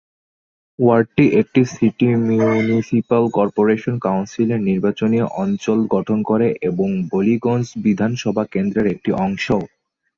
ওয়ার্ডটি একটি city municipal corporation কাউন্সিলের নির্বাচনী অঞ্চল গঠন করে এবং বালিগঞ্জ বিধানসভা কেন্দ্রর একটি অংশ।